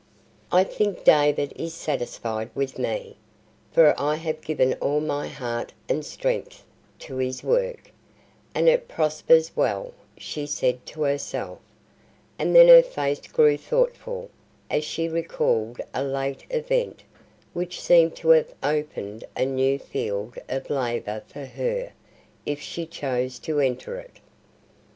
"I think David is satisfied with me; for I have given all my heart and strength to his work, and it prospers well," she said to herself, and then her face grew thoughtful, as she recalled a late event which seemed to have opened a new field of labor for her if she chose to enter it.